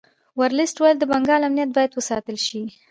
ورلسټ ویل د بنګال امنیت باید وساتل شي.